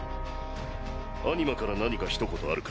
アニマから何かひと言あるか？